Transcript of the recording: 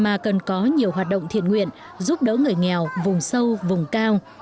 mà cần có nhiều hoạt động thiện nguyện giúp đỡ người nghèo vùng sâu vùng cao